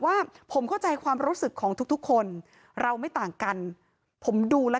ว่าผมเข้าใจความรู้สึกของทุกทุกคนเราไม่ต่างกันผมดูแล้ว